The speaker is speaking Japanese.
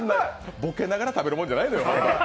ボケながら食べるもんじゃないのよ。